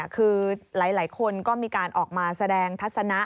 คือหลายคนก็มีการออกมาแสดงทัศนะ